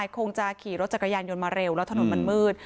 คงจะขี่รถจักรยานยนต์มาเร็วแล้วถนนมันมืด